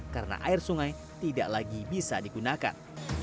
karena air sungai tidak lagi bisa digunakan